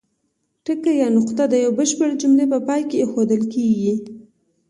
ټکی یا نقطه د یوې بشپړې جملې په پای کې اېښودل کیږي.